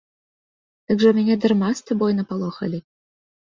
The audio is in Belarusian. Дык жа мяне дарма з табой напалохалі.